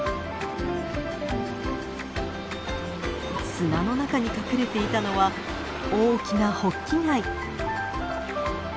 砂の中に隠れていたのは大きなホッキ貝。